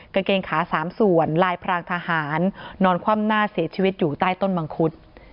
กางเกงขา๓ส่วนลายพรางทหารนอนคว่ำหน้าเสียชีวิตอยู่ใต้ต้นมังคุด